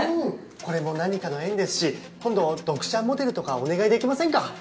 これも何かの縁ですし今度読者モデルとかお願いできませんか？